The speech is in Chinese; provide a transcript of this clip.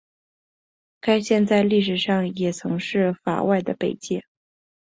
该线在历史上也曾是法外的北界。